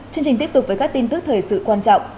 chương trình tiếp tục với các tin tức thời sự quan trọng